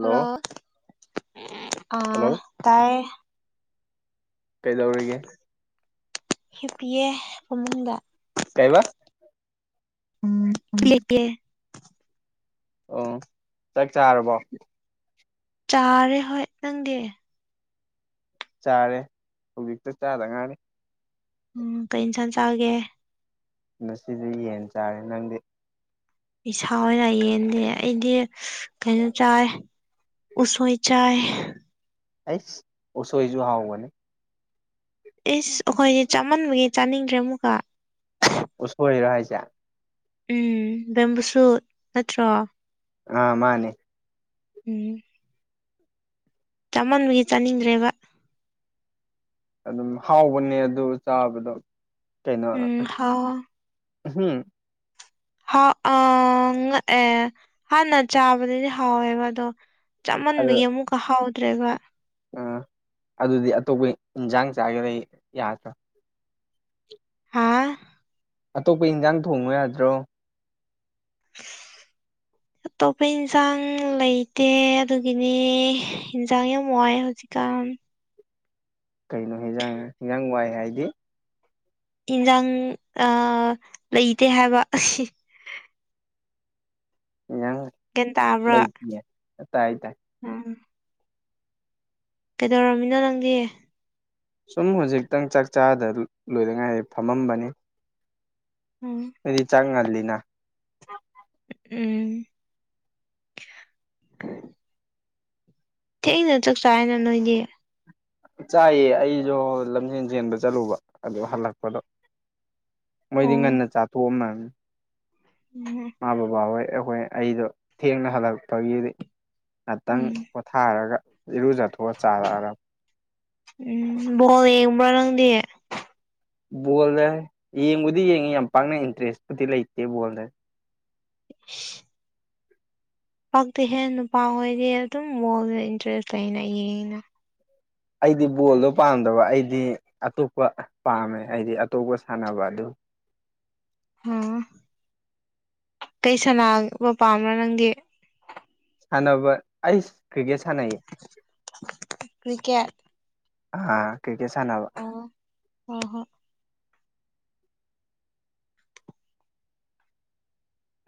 hello ꯑ hello ꯇꯥꯏꯌꯦ ꯀꯩꯗꯧꯔꯤꯒꯦ ꯍꯤꯞꯄꯤꯌꯦ ꯐꯥꯃꯨꯡ ꯗ ꯀꯥꯏꯕ ꯄ꯭ꯂꯦ ꯄ꯭ꯂꯦ ꯑꯣ ꯆꯥꯛ ꯆꯥꯔꯕꯣ ꯆꯥꯔꯦ ꯍꯣꯏ ꯅꯪꯗꯤ ꯆꯥꯔꯦ ꯍꯧꯖꯤꯛꯇ ꯆꯥꯗ ꯉꯥꯔꯦ ꯎꯝ ꯀ ꯏꯟꯁꯥꯡ ꯆꯥꯒꯦ ꯉꯁꯤꯗꯤ ꯌꯦꯟ ꯆꯥꯔꯦ ꯅꯪꯗꯤ ꯏꯁ ꯍꯥꯎꯁꯦꯅ ꯌꯦꯟꯗꯦ ꯑꯩꯗꯤ ꯀꯩꯅꯣ ꯆꯥꯏ ꯎꯁꯣꯏ ꯆꯥꯏ ꯑꯩꯁ ꯎꯁꯣꯏꯁꯨ ꯍꯥꯎꯒꯅꯦ ꯏꯁ ꯑꯩꯈꯣꯏꯗꯤ ꯆꯥꯃꯟꯕꯒꯤ ꯆꯥꯅꯤꯡꯗ꯭ꯔꯦ ꯑꯃꯨꯛꯀ ꯎꯁꯣꯏꯔꯣ ꯍꯥꯏꯁꯦ ꯎꯝ ꯕꯦꯝꯕꯨꯁꯨꯠ ꯅꯠꯇ꯭ꯔꯣ ꯑ ꯃꯥꯅꯦ ꯎꯝ ꯆꯥꯃꯟꯕꯒꯤ ꯆꯥꯅꯤꯡꯗ꯭ꯔꯦꯕ ꯑꯗꯨꯝ ꯍꯥꯎꯕꯅꯦ ꯑꯗꯨ ꯆꯥꯕꯗꯣ ꯀꯩꯅꯣ ꯎꯝ ꯍꯥꯎ ꯎꯝ ꯍꯥꯎ ꯑ ꯉꯛꯑꯦ ꯍꯥꯟꯅ ꯆꯥꯕꯗꯗꯤ ꯍꯥꯎꯋꯦꯕ ꯑꯗꯣ ꯑꯗ ꯆꯃꯟꯕꯒꯤ ꯑꯃꯨꯛꯀ ꯍꯥꯎꯗ꯭ꯔꯦꯕ ꯑꯥ ꯑꯗꯨꯗꯤ ꯑꯇꯣꯞꯄ ꯏꯟꯁꯥꯡ ꯆꯥꯒꯦ ꯌꯥꯗ꯭ꯔꯥ ꯍꯥꯥ ꯑꯇꯣꯞꯄ ꯏꯟꯖꯥꯡ ꯊꯣꯡꯕ ꯌꯥꯗ꯭ꯔꯣ [inaudible] [inaudible] ꯑꯇꯣꯞꯄ ꯏꯟꯁꯥꯡ ꯂꯩꯇꯦ ꯑꯗꯨꯒꯤꯅꯤ ꯏꯟꯖꯥꯡ ꯌꯥꯝ ꯋꯥꯏ ꯍꯧꯖꯤꯛꯀꯥꯟ ꯀꯩꯅꯣ ꯍꯦꯖꯥꯡ ꯍꯤꯟꯖꯥꯡ ꯋꯥꯏ ꯍꯥꯏꯗꯤ ꯏꯟꯁꯥꯡ ꯑ ꯂꯩꯇꯦ ꯍꯥꯏꯕ ꯑꯦꯟꯁꯡ ꯒ꯭ꯌꯥꯟ ꯂꯩꯇꯌꯦ ꯇꯥꯏ ꯇꯥꯏ ꯑꯝ ꯀꯩꯗꯧꯔꯝꯃꯤꯅꯣ ꯅꯪꯗꯤ ꯁꯨꯝ ꯍꯧꯖꯤꯛꯇꯪ ꯆꯥꯛ ꯆꯥꯗ ꯂꯣꯏꯗꯉꯥꯏ ꯐꯝꯃꯝꯕꯅꯤ ꯎꯝ ꯅꯣꯏꯗꯤ ꯆꯥꯛ ꯉꯜꯂꯤꯅ ꯎꯝ ꯊꯦꯡꯅ ꯆꯥꯛ ꯆꯥꯏꯅ ꯅꯣꯏꯗꯤ ꯆꯥꯏꯌꯦ ꯑꯩꯁꯨ ꯂꯝꯖꯦꯟ ꯆꯦꯟꯕ ꯆꯠꯂꯨꯕ ꯑꯗꯨ ꯍꯜꯂꯛꯄꯗꯣ ꯑꯣ ꯃꯣꯏꯗꯤ ꯉꯟꯅ ꯆꯥꯊꯣꯛꯑꯝꯃꯦ ꯎꯝ ꯃꯥ ꯕꯕꯥꯍꯣꯏ ꯑꯩꯈꯣꯏ ꯑꯩꯗꯣ ꯊꯦꯡꯅ ꯍꯜꯂꯛꯄꯒꯤ ꯉꯥꯛꯇꯪ ꯎꯝ ꯊꯥꯔꯒ ꯏꯔꯨꯖꯊꯣꯛꯑ ꯆꯥꯔꯛꯑꯔꯕ ꯎꯝ ꯕꯣꯜ ꯌꯦꯡꯕ꯭ꯔꯥ ꯅꯪꯗꯤ ꯕꯣꯜꯗ ꯌꯦꯡꯕꯨꯗꯤ ꯌꯦꯡꯉꯤ ꯌꯥꯝ ꯄꯥꯛꯅ ꯏꯟꯇꯔꯦꯁꯄꯨꯗꯤ ꯂꯩꯇꯦ ꯕꯣꯜꯗ ꯏꯁꯁ ꯄꯛꯇꯦꯍꯦ ꯅꯨꯄꯥ ꯍꯣꯏꯗꯤ ꯑꯗꯨꯝ ꯕꯣꯜꯗ ꯏꯟꯇꯔꯦꯁ ꯂꯩꯅ ꯌꯦꯡꯅ ꯑꯩꯗꯤ ꯕꯣꯜꯗꯣ ꯄꯥꯝꯗꯕ ꯑꯩꯗꯤ ꯑꯇꯣꯞꯄ ꯄꯥꯝꯃꯦ ꯑꯩꯗꯤ ꯑꯇꯣꯞꯄ ꯁꯥꯟꯅꯕ ꯑꯗꯨ ꯎꯝ ꯀꯩ ꯁꯥꯟꯅꯥꯕ ꯄꯥꯝꯕ꯭ꯔꯣ ꯅꯪꯗꯤ ꯁꯅꯅꯕ ꯑꯩꯁ ꯀ꯭ꯔꯤꯀꯦꯠ ꯁꯅꯏꯌꯦ ꯀꯔꯤꯀꯦꯠ ꯑ ꯀ꯭ꯔꯤꯀꯦꯠ ꯁꯅꯕ ꯍ ꯍꯣ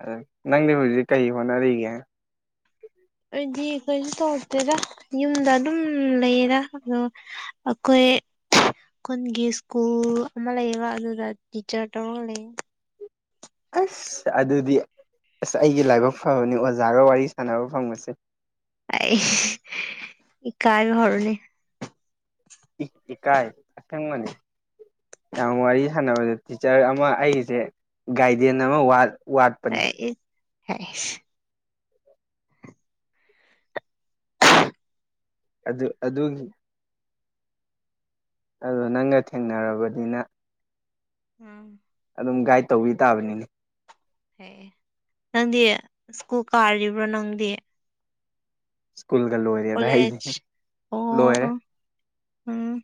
ꯑ ꯅꯪꯗꯤ ꯍꯧꯖꯤꯛ ꯀꯩ ꯍꯣꯠꯅꯔꯤꯒꯦ ꯑꯩꯗꯤ ꯀꯩꯁꯨ ꯇꯧꯗꯦꯗ ꯌꯨꯝꯗ ꯑꯗꯨꯝ ꯂꯩꯌꯦꯗ ꯑꯗꯣ ꯑꯩꯈꯣꯏ ꯈꯨꯜꯒꯤ ꯁ꯭ꯀꯨꯜ ꯒꯃ ꯂꯩꯌꯦꯕ ꯑꯗꯨꯗ ꯇꯤꯆꯔ ꯇꯧꯔꯒ ꯂꯩꯌꯦ ꯑꯁ ꯑꯗꯨꯗꯤ ꯑꯁ ꯑꯩꯒꯤ ꯂꯥꯏꯕꯛ ꯐꯕꯅꯤ ꯑꯣꯖꯥꯒ ꯋꯥꯔꯤ ꯁꯥꯟꯅꯕ ꯐꯪꯕꯁꯦ ꯑꯩꯁ ꯏꯀꯥꯏꯕ ꯍꯧꯔꯦ ꯏꯀꯥꯏꯒꯅꯣ ꯑꯁꯦꯡꯕꯅꯦ ꯌꯥꯝ ꯋꯥꯔꯤ ꯁꯥꯟꯅꯕꯗ ꯇꯤꯆꯔ ꯑꯃ ꯑꯩꯒꯤꯁꯦ ꯒꯥꯏꯗꯦꯟ ꯑꯃ ꯋꯥꯠ ꯋꯥꯠꯄꯅꯦ ꯑꯩꯁ ꯑꯗꯨ ꯑꯗꯨꯒꯤ ꯑꯗꯨꯗꯣ ꯅꯪꯒ ꯊꯦꯡꯅꯔꯕꯅꯤꯅ ꯑꯝ ꯑꯗꯨꯝ ꯒꯥꯏꯗ ꯇꯧꯕꯤ ꯇꯥꯕꯅꯤꯅꯦ ꯑꯦ ꯅꯪꯗꯤ ꯁ꯭ꯀꯨꯜ ꯀꯥꯔꯤꯕ꯭ꯔꯣ ꯅꯪꯗꯤ ꯁꯀꯨꯜꯒ ꯂꯣꯏꯔꯦ ꯀꯂꯦꯖ ꯑꯣꯍꯣ ꯎꯝ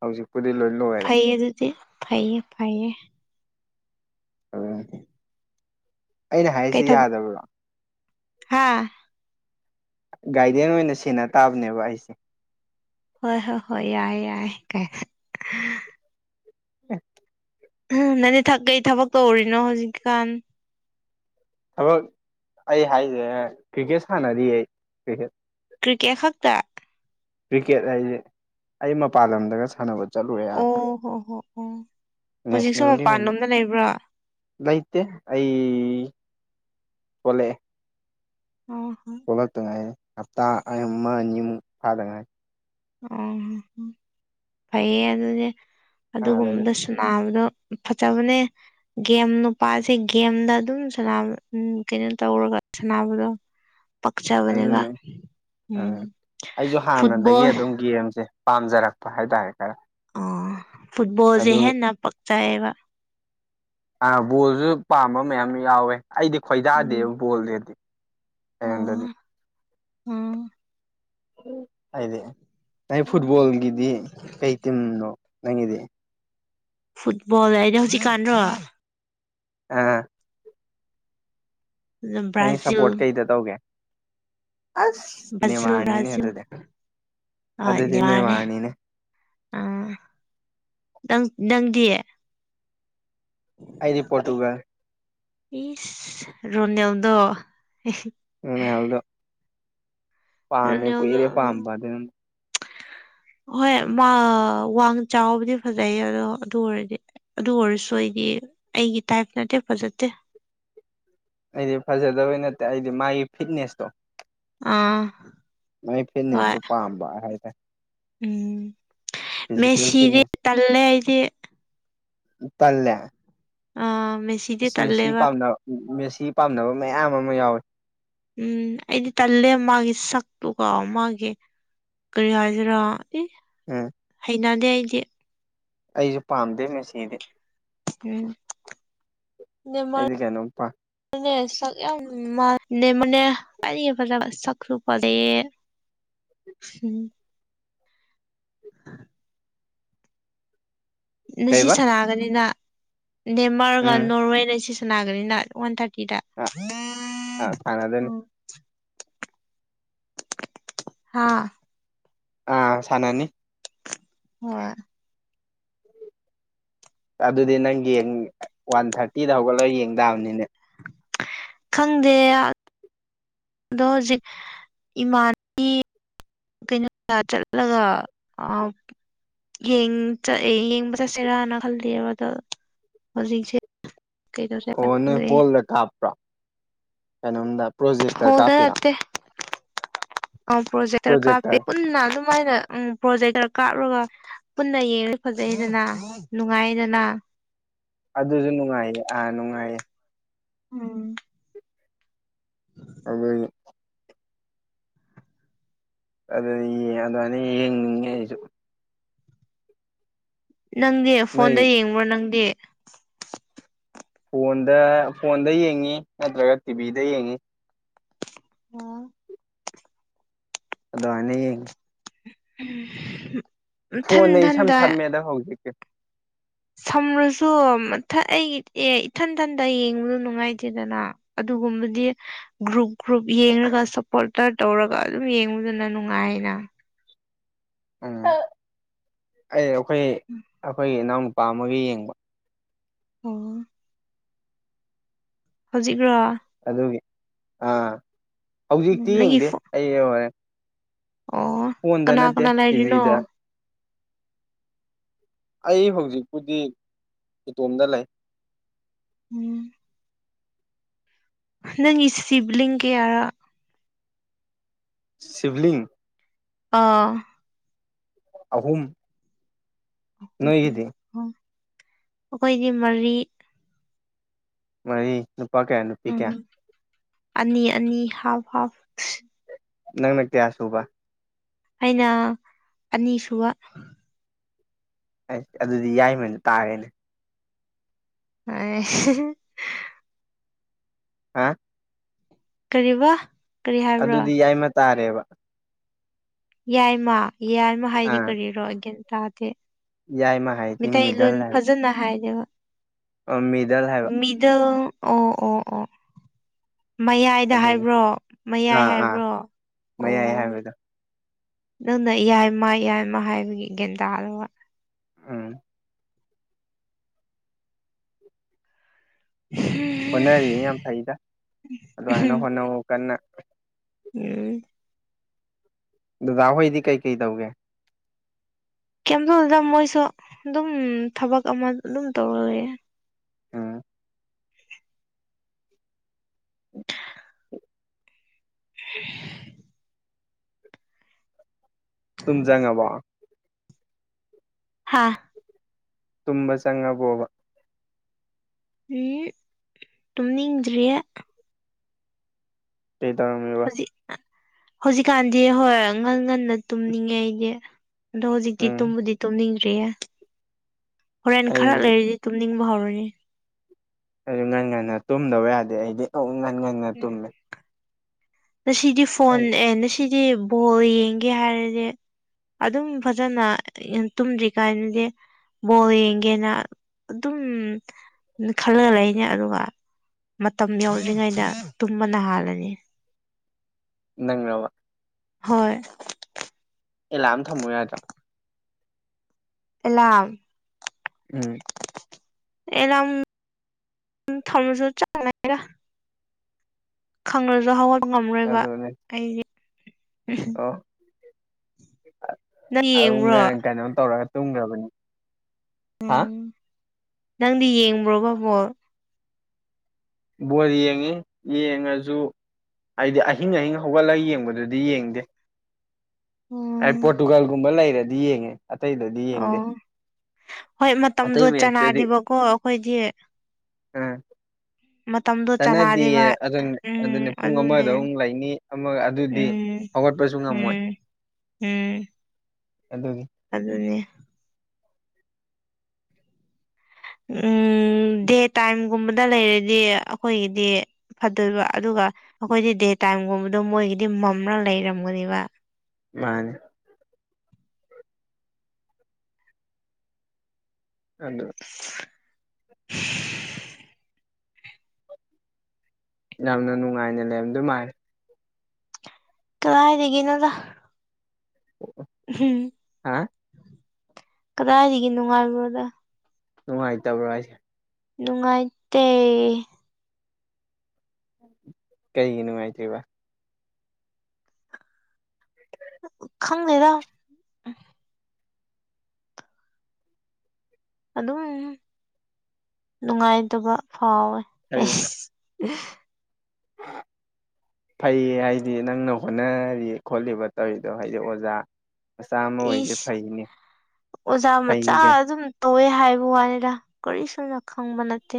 ꯍꯧꯖꯤꯛꯄꯨꯗꯤ ꯂꯣꯏ ꯂꯣꯏꯔꯦ ꯐ ꯑꯗꯨꯗꯤ ꯐꯩꯌꯦ ꯐꯌꯦ ꯑꯣ ꯑꯩꯅ ꯍꯥꯏꯔꯤꯁꯤ ꯌꯥꯗꯕ꯭ꯔꯥ ꯍꯥꯥ ꯒꯥꯏꯗꯦꯟ ꯑꯣꯏꯅ ꯁꯦꯟꯅ ꯇꯥꯕꯅꯦꯕ ꯑꯩꯁꯦ ꯍꯣꯏ ꯍꯣꯏ ꯍꯣꯏ ꯌꯥꯏꯦ ꯌꯥꯏꯦ ꯀꯩ ꯍ ꯎꯝ ꯅꯪꯅꯦ ꯀꯩ ꯊꯕꯛ ꯇꯧꯔꯤꯅꯣ ꯍꯧꯖꯤꯛꯀꯥꯟ ꯊꯕꯛ ꯑꯩ ꯍꯥꯏꯁꯦ ꯀ꯭ꯔꯤꯛꯀꯦꯠ ꯁꯥꯟꯅꯔꯤꯌꯦ ꯀ꯭ꯔꯤꯀꯦꯠ ꯀ꯭ꯔꯤꯀꯦꯠ ꯈꯛꯇ ꯀ꯭ꯔꯤꯀꯦꯠ ꯍꯥꯏꯁꯦ ꯑꯩ ꯃꯄꯥꯟ ꯂꯝꯗꯒ ꯁꯥꯟꯅꯕꯗ ꯑꯣ ꯍꯣ ꯍꯣ ꯑꯣ ꯍꯧꯖꯤꯛꯁꯨ ꯅꯦꯁꯅꯦꯜꯒꯤ ꯃꯄꯥꯟ ꯑꯣꯏꯅ ꯂꯣꯝꯗ ꯂꯩꯕ꯭ꯔꯥ ꯂꯩꯇꯦ ꯑꯩ ꯊꯣꯛꯂꯛꯑꯦ ꯑꯣ ꯍꯣ ꯊꯣꯛꯣꯛꯂꯛꯇ ꯉꯥꯏꯔꯤ ꯍꯞꯇꯥ ꯑꯃ ꯑꯅꯤꯃꯨꯛ ꯐꯥꯗꯉꯥꯏ ꯑꯣ ꯐꯩꯌꯦ ꯑꯗꯨꯗꯤ ꯑꯥꯗꯒꯤ ꯑꯗꯨꯒꯨꯝꯕꯗꯁꯨ ꯁꯥꯅꯕꯗꯣ ꯐꯖꯕꯅꯦ ꯒꯦꯝ ꯅꯨꯄꯥꯁꯦ ꯒꯦꯝꯗ ꯑꯗꯨꯝ ꯁ ꯎ ꯀꯩꯅꯣ ꯇꯧꯔꯒ ꯁꯥꯟꯅꯕꯗꯣ ꯄꯛꯆꯕꯅꯦꯕ ꯑꯗꯨꯅꯦ ꯎꯝ ꯑꯝ ꯑꯩꯁꯨ ꯍꯥꯟꯅꯗꯒꯤ ꯐꯨꯠꯕꯣꯜ ꯑꯗꯨꯝ ꯒꯦꯝꯁꯦ ꯄꯥꯝꯖꯔꯛꯄ ꯍꯥꯏꯇꯥꯔꯦ ꯈꯔ ꯑꯣ ꯐꯨꯠꯕꯣꯜꯁꯦ ꯑꯗꯨꯒꯤ ꯍꯦꯟꯅ ꯄꯛꯆꯩꯌꯦꯕ ꯑ ꯕꯣꯜꯁꯨ ꯄꯥꯝꯕ ꯃꯌꯥꯝ ꯌꯥꯎꯋꯦ ꯑꯩꯗꯤ ꯑꯣ ꯈꯣꯏꯗꯥꯗꯦꯕ ꯕꯣꯜꯖꯦꯗꯤ ꯍꯩꯔꯝꯗꯔ꯭ꯗꯤ ꯑꯣ ꯎꯝ ꯍꯥꯏꯗꯤ ꯅꯪ ꯐꯨꯠꯕꯣꯜꯒꯤꯗꯤ ꯀꯩ ꯇꯤꯝꯅꯣ ꯅꯪꯒꯤꯗꯤ ꯐꯨꯠꯕꯣꯜ ꯍꯥꯏꯗꯤ ꯍꯧꯖꯤꯛ ꯀꯥꯟꯔꯣ ꯑꯥ ꯅꯪꯒꯤ ꯕ꯭ꯔꯥꯖꯤꯜ ꯁꯞꯄꯣꯔꯠ ꯀꯩꯗ ꯇꯧꯒꯦ ꯑꯁ ꯕꯖꯤꯜ ꯅꯦꯃꯥꯔꯅꯤꯅꯦ ꯕ꯭ꯔꯥꯖꯤꯜ ꯑꯗꯨꯗꯤ ꯑ ꯑꯗꯨꯗꯤ ꯅꯦꯃꯥꯔꯅꯦ ꯅꯦꯃꯥꯔꯅꯤꯅꯦ ꯑ ꯅꯪ ꯅꯪꯗꯤ ꯑꯩꯗꯤ ꯄꯣꯔꯇꯨꯒꯜ ꯏꯁ ꯔꯣꯅꯦꯜꯗꯣ ꯄꯥꯃꯦ ꯔꯣꯅꯦꯜꯗꯣ ꯀꯨꯏꯔꯦ ꯄꯥꯝꯕ ꯑꯗꯨꯅ ꯍꯣꯏ ꯃꯥ ꯋꯥꯡ ꯆꯥꯎꯕꯗꯤ ꯐꯖꯩꯌꯦ ꯑꯗꯣ ꯑꯗꯨ ꯑꯣꯏꯔꯗꯤ ꯑꯗꯨ ꯑꯣꯏꯔꯁꯨ ꯑꯩꯗꯤ ꯑꯩꯒꯤ ꯇꯥꯏꯞ ꯅꯠꯇꯦ ꯐꯖꯠꯗꯦ ꯑꯩꯗꯤ ꯐꯖꯗꯕꯩ ꯅꯠꯇꯦ ꯑꯩꯗꯤ ꯃꯥꯒꯤ ꯐꯤꯠꯅꯦꯁꯇꯣ ꯑꯥ ꯃꯥꯏ ꯍꯣꯏ ꯐꯤꯠꯅꯦꯁꯇꯣ ꯄꯥꯝꯕ ꯍꯥꯏ ꯇꯥꯏ ꯎꯝ ꯃꯦꯁꯤꯗꯤ ꯐꯤꯠꯅꯦꯁ ꯇꯜꯂꯦ ꯑꯩꯗꯤ ꯇꯜꯂꯦ ꯑꯥ ꯃꯦꯁꯤꯗꯤ ꯏꯁ ꯃꯦꯁꯤ ꯇꯜꯂꯦꯕ ꯄꯥꯝꯗꯞ ꯃꯦꯁꯤ ꯄꯥꯝꯅꯕ ꯃꯌꯥꯝ ꯑꯃ ꯌꯥꯎꯋꯤ ꯎꯝ ꯑꯩꯗꯤ ꯇꯜꯂꯦ ꯃꯥꯒꯤ ꯁꯛꯇꯨꯒꯥ ꯃꯥꯒꯤ ꯀꯔꯤ ꯍꯥꯏꯖꯤꯔꯥ ꯑꯤ ꯎꯝ ꯍꯩꯅꯗꯦ ꯑꯩꯗꯤ ꯑꯩꯖꯨ ꯄꯥꯝꯗꯦ ꯃꯦꯁꯤꯗꯤ ꯎꯝ ꯑꯩꯗꯤ ꯀꯩꯅꯣ ꯄꯥ ꯗꯨꯅꯦ ꯁꯛ ꯌꯥꯝ ꯃꯥ ꯅꯦꯝꯕꯅꯦ ꯑꯩꯅ ꯐꯖꯕ ꯁꯛꯁꯨ ꯐꯖꯩꯌꯦ [inaudible] [unintelligible] ꯅꯤꯁꯤ ꯀꯩꯕ ꯁꯥꯟꯅꯒꯅꯤꯅ ꯅꯦꯃꯥꯔꯒ ꯎꯝ ꯅꯣꯔꯋꯦ [unintelligible] ꯅꯤꯁꯤ ꯁꯥꯟꯅꯒꯅꯤꯅ ꯋꯥꯟ ꯊꯥꯔꯇꯤꯗ ꯑ ꯁꯥꯟꯅꯗꯣꯏꯅꯤ ꯍꯥꯥ ꯑꯥ ꯁꯥꯟꯅꯅꯤ ꯍꯣꯏ ꯑꯗꯨꯗꯤ ꯅꯪꯒꯤ ꯋꯥꯟ ꯊꯥꯔꯇꯤꯗ ꯍꯧꯒꯠꯂꯒ ꯌꯦꯡ ꯇꯥꯕꯅꯤꯅꯦ ꯈꯪꯗꯦ ꯑꯗꯣ ꯍꯧꯖꯤꯛ ꯏꯃꯥ [unintelligible] ꯀꯩꯅꯣꯗ ꯆꯠꯂꯒ ꯑ ꯌꯦꯡ ꯆꯠ ꯌꯦꯡꯕ ꯆꯠꯁꯤꯔꯥꯅ ꯈꯜꯂꯤꯕ ꯑꯗꯣ ꯍꯧꯖꯤꯛꯁꯦ ꯀꯩꯗꯧꯁꯤꯔ ꯑꯣ ꯅꯣꯏ ꯈꯪꯗꯦ ꯍꯣꯜꯗ ꯀꯥꯞꯄ꯭ꯔꯣ ꯀꯩꯅꯣꯝꯗ ꯄ꯭ꯔꯣꯖꯦꯛꯇꯔ ꯍꯣꯜꯗ ꯀꯥꯞꯄꯤꯔꯣ ꯑ ꯄ꯭ꯔꯣꯖꯦꯛꯇꯔ ꯀꯥꯞꯄꯦ ꯄꯨꯟꯅ ꯑꯗꯨꯃꯥꯏꯅ ꯎꯝ ꯄ꯭ꯔꯣꯖꯦꯛꯇꯔ ꯀꯥꯞꯔꯒ ꯄꯨꯟꯅ ꯌꯦꯡꯉ ꯐꯖꯩꯗꯅ ꯅꯨꯡꯉꯥꯏꯌꯦꯗꯅ ꯑꯗꯨꯁꯨ ꯅꯨꯡꯉꯥꯏꯌꯦ ꯑꯥ ꯅꯨꯡꯉꯥꯏꯌꯦ ꯎꯝ [unintelligible] [unintelligible] ꯑꯗꯨꯃꯥꯏꯅ ꯌꯦꯡꯅꯤꯡꯉꯦ ꯑꯩꯖꯨ ꯅꯪꯗꯤ ꯅꯣꯏ ꯐꯣꯟꯗ ꯌꯦꯡꯕ꯭ꯔꯣ ꯅꯪꯗꯤ ꯐꯣꯟꯗ ꯐꯣꯟꯗ ꯌꯦꯡꯉꯤ ꯅꯠꯇ꯭ꯔꯒ ꯇꯤꯚꯤꯗ ꯌꯦꯡꯉꯤ ꯑꯣ ꯑꯗꯨꯃꯥꯏꯅ ꯌꯦꯡꯉꯤ [inaudible] ꯏꯊꯟ ꯐꯣꯟꯅ ꯏꯁꯝ ꯏꯊꯟꯗ ꯁꯝꯃꯦꯗ ꯍꯧꯖꯤꯛꯇꯤ ꯁꯝꯔꯁꯨ ꯃꯊ ꯑꯩ ꯑꯦ ꯏꯊꯟ-ꯊꯟꯗ ꯌꯦꯡꯕꯗꯣ ꯅꯨꯡꯉꯥꯏꯇꯦꯗꯅ ꯑꯗꯨꯒꯨꯝꯕꯗꯤ ꯒ꯭ꯔꯨꯞ ꯒ꯭ꯔꯨꯞ ꯌꯦꯡꯔꯒ ꯁꯞꯄꯣꯔꯇꯔ ꯇꯧꯔꯒ ꯑꯗꯨꯝ ꯌꯦꯡꯕꯗꯨꯅ ꯅꯨꯡꯉꯥꯏꯅ ꯎꯝ ꯑꯩꯅ ꯑꯩꯈꯣꯏ ꯑꯩꯈꯣꯏꯒꯤ ꯏꯅꯥꯎꯅꯨꯄꯥ ꯑꯃꯒ ꯌꯦꯡꯕ ꯎꯝ ꯍꯧꯖꯤꯛꯔꯣ ꯑꯗꯨꯒꯤ ꯑꯥ ꯍꯧꯖꯤꯛꯇꯤ ꯅꯪꯒꯤ ꯌꯦꯡꯗꯦ ꯐꯣ ꯑꯩ [unintelligible] ꯑꯣ ꯐꯣꯟꯗ ꯀꯅꯥ ꯅꯠꯇꯦ ꯀꯅꯥ ꯂꯩꯔꯤꯅꯣ ꯇꯤꯚꯤꯗ ꯑꯩ ꯍꯧꯖꯤꯛꯄꯨꯗꯤ ꯏꯇꯣꯝꯗ ꯂꯩ ꯎꯝ ꯅꯪꯒꯤ ꯁꯤꯕ꯭ꯂꯤꯡ ꯀꯌꯥꯔ ꯁꯤꯕ꯭ꯂꯤꯡ ꯑꯥ ꯑꯍꯨꯝ ꯅꯣꯏꯒꯤꯗꯤ ꯑꯣ ꯑꯩꯈꯣꯏꯒꯤ ꯃꯔꯤ ꯃꯔꯤ ꯅꯨꯄꯥ ꯀꯌꯥ ꯅꯨ ꯎꯝ ꯑꯅꯤ ꯑꯅꯤ ꯍꯥꯞ ꯍꯥꯞ ꯅꯪꯅ ꯀꯌꯥꯁꯨꯕ ꯑꯩꯅ ꯑꯅꯤꯁꯨꯕ ꯑꯩꯁ ꯑꯗꯨꯗꯤ ꯌꯥꯏꯃꯅ ꯇꯥꯔꯦꯅꯦ ꯍꯣꯏ ꯍꯥ ꯀꯔꯤꯕ ꯀꯔꯤ ꯍꯥꯏꯕ꯭ꯔꯣ ꯑꯗꯨꯗꯤ ꯌꯥꯏꯃ ꯇꯥꯔꯦꯕ ꯌꯥꯏꯃ ꯌꯥꯏꯃ ꯍꯥꯏꯗꯤ ꯑꯥ ꯀꯔꯤꯔꯣ ꯒ꯭ꯌꯥꯟ ꯇꯥꯗꯦ ꯌꯥꯏꯃ ꯍꯥꯏꯗꯤ ꯃꯤꯗꯜ ꯃꯤꯇꯩꯂꯣꯟ ꯐꯖꯅ ꯍꯥꯏꯗꯦꯕ ꯑꯣ ꯃꯤꯗꯜ ꯍꯥꯏꯕ ꯗꯜ ꯑꯣ ꯑꯣ ꯑꯣ ꯃꯌꯥꯏꯗ ꯑꯗꯨꯒꯤ ꯍꯥꯏꯕ꯭ꯔꯣ ꯃꯌꯥꯏ ꯑꯥ ꯑꯥ ꯍꯥꯏꯕ꯭ꯔꯣ ꯃꯌꯥꯏ ꯑꯣ ꯍꯥꯏꯕꯗꯣ ꯅꯪꯅ ꯌꯥꯏꯃ ꯌꯥꯏꯃ ꯍꯥꯏꯕꯒꯤ ꯒ꯭ꯌꯥꯟ ꯇꯥꯗꯕ ꯎꯝ ꯍꯝ [unintelligible] ꯌꯥꯝ ꯐꯩꯗ ꯑꯗꯨꯃꯥꯏꯅ ꯍꯣꯠꯅꯧ ꯑꯣ ꯀꯟꯅ ꯎꯝ ꯗꯗꯥ ꯍꯣꯏꯗꯤ ꯀꯩꯀꯩ ꯇꯧꯒꯦ ꯀꯦꯝ ꯇꯧꯗꯦꯗ ꯃꯣꯏꯁꯨ ꯑꯗꯨꯝ ꯊꯕꯛ ꯑꯃ ꯑꯗꯨꯝ ꯇꯧꯔꯒ ꯂꯩꯌꯦ ꯎꯝ [inaudible] ꯇꯨꯝ ꯆꯪꯉꯕꯣ ꯍꯥꯥ ꯇꯨꯝꯕ ꯆꯪꯉꯕꯣꯕ ꯍꯝ ꯇꯨꯝꯅꯤꯡꯗ꯭ꯔꯤꯌꯦ ꯀꯩꯗꯧꯔꯝꯃꯤꯕ ꯍꯧꯖꯤꯛ ꯍꯧꯖꯤꯛꯀꯥꯟꯗꯤ ꯍꯣꯏ ꯉꯟ-ꯉꯟꯅ ꯇꯨꯝꯅꯤꯡꯉꯦ ꯑꯩꯗꯤ ꯑꯗꯣ ꯍꯧꯖꯤꯛꯇꯤ ꯎꯝ ꯇꯨꯝꯕꯨꯗꯤ ꯇꯨꯝꯅꯤꯡꯗ꯭ꯔꯤꯌꯦ ꯍꯣꯔꯦꯟ ꯑꯩ ꯈꯔ ꯂꯩꯔꯤꯗꯤ ꯇꯨꯝꯅꯤꯡꯕ ꯍꯧꯔꯅꯤ ꯑꯗꯨ ꯉꯟ-ꯉꯟꯅ ꯇꯨꯝꯗꯕ ꯌꯥꯗꯦ ꯑꯩꯗꯤ ꯑ-ꯉꯟ- ꯉꯟꯅ ꯇꯨꯝꯃꯤ ꯉꯁꯤꯗꯤ ꯐꯣꯟ ꯑꯦ ꯉꯁꯤꯗꯤ ꯕꯣꯜ ꯌꯦꯡꯒꯦ ꯍꯥꯏꯔꯗꯤ ꯑꯗꯨꯝ ꯐꯖꯅ ꯌꯦꯟ ꯇꯨꯝꯗ꯭ꯔꯤꯀꯥꯟꯒꯤ ꯕꯣꯜ ꯌꯦꯡꯒꯦꯅ ꯑꯗꯨꯝ ꯈꯜꯂ ꯂꯩꯅꯦ ꯑꯗꯨꯒ ꯃꯇꯝ ꯌꯧꯗ꯭ꯔꯤꯉꯩꯗ ꯇꯨꯝꯕꯅ ꯍꯥꯜꯂꯅꯤ ꯅꯪꯔꯕ ꯍꯣꯏ ꯑꯦꯂꯥꯔꯝ ꯊꯝꯃꯣ ꯌꯥꯗ꯭ꯔꯣ ꯑꯦꯂꯥꯔꯝ ꯎꯝ ꯑꯦꯂꯥꯝ ꯊꯝꯃꯁꯨ ꯆꯞ ꯃꯥꯟꯅꯩꯗ ꯈꯪꯂꯁꯨ ꯍꯧꯒꯠꯄ ꯉꯝꯃꯔꯣꯏꯕ ꯑꯗꯨꯅꯦ ꯑꯩꯗꯤ ꯑꯣ ꯑ ꯅꯪ ꯌꯦꯡꯕ꯭ꯔꯣ ꯑꯗꯨꯅꯪ ꯀꯩꯅꯣꯝ ꯇꯧꯔꯒ ꯇꯨꯝꯒ꯭ꯔꯕꯅꯤ ꯍꯥ ꯅꯪꯗꯤ ꯌꯦꯡꯕ꯭ꯔꯣꯕ ꯕꯣꯜ ꯕꯣꯜ ꯌꯦꯡꯉꯤ ꯌꯦꯡꯉꯁꯨ ꯑꯩꯗꯤ ꯑꯍꯤꯡ ꯑꯍꯤꯡ ꯍꯧꯒꯠꯂꯒ ꯌꯦꯡꯕꯗꯨꯗꯤ ꯌꯦꯡꯗꯦ ꯑꫭ ꯑꯩ ꯄꯣꯔꯇꯨꯒꯥꯜꯒꯨꯝꯕ ꯂꯩꯔꯗꯤ ꯌꯦꯡꯉꯦ ꯑꯇꯩꯗꯗꯤ ꯌꯦꯡꯗꯦ ꯑꯣ ꯍꯣꯏ ꯃꯇꯝꯗꯣ ꯑꯇꯩ ꯃꯦꯠꯁꯇꯗꯤ ꯆꯅꯥꯗꯦꯕꯀꯣ ꯑꯩꯈꯣꯏꯗꯤ [inaudible] ꯃꯇꯝꯗꯣ ꯆꯅꯥꯗꯦ ꯆꯅꯥꯗꯦꯕ ꯑꯗꯨꯅꯤ ꯎꯝ ꯑꯗꯨꯅꯦ ꯄꯨꯡ ꯑꯃꯗ ꯑꯗꯨꯅꯦ ꯑꯃꯨꯛ ꯂꯩꯅꯤ ꯑꯃꯒ ꯑꯗꯨꯗꯤ ꯎꯝ ꯍꯧꯒꯠꯄꯁꯨ ꯉꯝꯃꯣꯏ ꯎꯝ ꯎꯝ ꯑꯗꯨꯅꯤ ꯑꯗꯨꯅꯦ ꯎꯝ ꯗꯦ ꯇꯥꯏꯝꯒꯨꯝꯕꯗ ꯂꯩꯔꯗꯤ ꯑꯩꯈꯣꯏꯒꯤꯗꯤ ꯐꯗꯣꯏꯕ ꯑꯗꯨꯒ ꯑꯩꯈꯣꯏꯗꯤ ꯗꯦ ꯇꯥꯏꯝꯒꯨꯝꯕꯗꯣ ꯃꯣꯏꯒꯤꯗꯤ ꯃꯝꯅ ꯂꯩꯔꯝꯒꯅꯦꯕ ꯃꯥꯅꯦ ꯑꯗꯨ [inaudible] ꯌꯥꯝꯅ ꯅꯨꯡꯉꯥꯏꯅ ꯂꯩꯔꯝꯗꯨꯏ ꯃꯥꯜꯂꯦ ꯀꯗꯥꯏꯗꯒꯤꯅꯣꯗꯥ ꯍꯨꯝ ꯍꯥ ꯀꯗꯥꯏꯗꯒꯤ ꯅꯨꯡꯉꯥꯏꯕꯅꯣꯗ ꯅꯨꯡꯉꯥꯏꯇꯕ꯭ꯔꯥ ꯍꯥꯏꯁꯦ ꯅꯨꯡꯉꯥꯏꯇꯦ ꯀꯩꯒꯤ ꯅꯨꯡꯉꯥꯏꯇ꯭ꯔꯤꯕꯥ ꯈꯪꯗꯦꯗ ꯑꯗꯨꯝ ꯅꯨꯡꯉꯥꯏꯇꯕ ꯐꯥꯎꯋꯦ ꯍꯥꯏꯗꯤ ꯑꯩꯁ [inaudible] ꯐꯩꯌꯦ ꯍꯥꯏꯗꯤ ꯅꯪꯅ ꯍꯣꯠꯅꯔꯤ ꯈꯣꯠꯂꯤꯕ ꯇꯧꯔꯤꯗꯣ ꯍꯥꯏꯗꯤ ꯑꯣꯖꯥ ꯃꯆꯥ ꯑꯃ ꯑꯣꯏꯁꯦ ꯏꯁ ꯐꯩꯅꯦ ꯑꯣꯖꯥ ꯃꯆꯥ ꯐꯩꯅꯦ ꯀꯩꯅꯣ ꯑꯗꯨꯝ ꯇꯧꯋꯦ ꯍꯥꯏꯕ ꯋꯥꯅꯤꯗ ꯀꯔꯤꯁꯨꯨꯝꯅ ꯈꯪꯕ ꯅꯠꯇꯦ